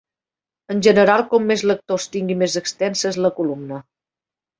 En general, com més lectors tingui més extensa és la columna.